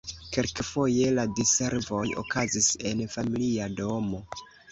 Kelkfoje la diservoj okazis en familia domo.